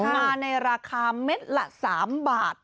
มาในราคาเม็ดละ๓บาท